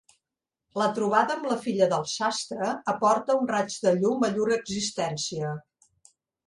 La trobada amb la filla del sastre aporta un raig de llum a llur existència.